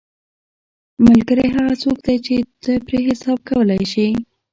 ملګری هغه څوک دی چې ته پرې حساب کولی شې.